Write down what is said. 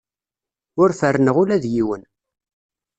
Ur ferrneɣ ula d yiwen.